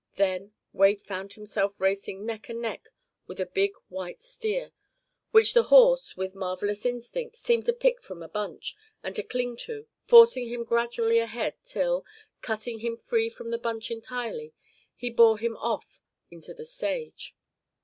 Then Wade found himself racing neck and neck with a big white steer, which the horse, with marvelous instinct, seemed to pick from a bunch, and to cling to, forcing him gradually ahead till, cutting him free from the bunch entirely, he bore him off into the sage.